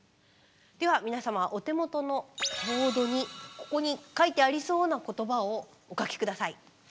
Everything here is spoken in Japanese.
では皆さまお手元のボードにここに書いてありそうな言葉をお書き下さい。